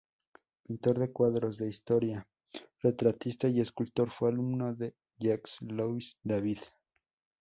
Pintor de cuadros de historia, retratista y escultor, fue alumno de Jacques-Louis David.